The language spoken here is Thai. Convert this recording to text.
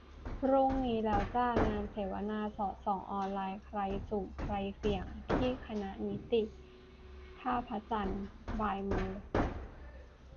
พรุ่งนี้แล้วจ้า งานเสวนา 'สอดส่องออนไลน์ : ใครสุ่ม ใครเสี่ยง ?' ที่คณะนิติ ท่าพระจันทร์ บ่ายโมง